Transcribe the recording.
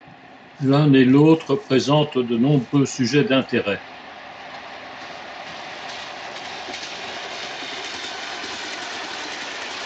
L'un et l'autre présentent de nombreux sujets d'intérêt.